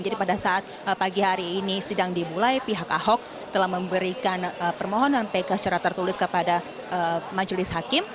jadi pada saat pagi hari ini sedang dimulai pihak ahok telah memberikan permohonan pk secara tertulis kepada majulis hakim